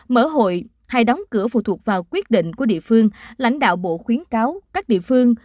mở hội hay đóng cửa phụ thuộc vào quyết định của địa phương lãnh đạo bộ khuyến cáo các địa phương